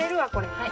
はい。